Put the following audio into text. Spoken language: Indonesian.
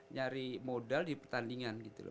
nyari modal di pertandingan gitu loh